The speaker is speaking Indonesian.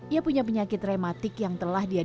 ia punya penyakit rematik yang telah dia diberikan